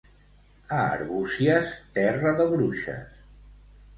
A Arbúcies, terra de bruixes.